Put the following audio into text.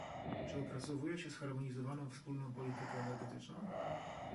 Czy opracowuje się zharmonizowaną wspólną politykę energetyczną?